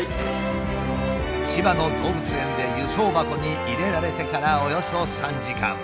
千葉の動物園で輸送箱に入れられてからおよそ３時間。